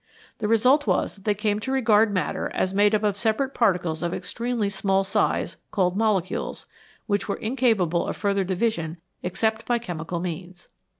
The result was that they came to regard matter as made up of separate particles of extremely small size called molecules, which were incapable of further division except by chemical means.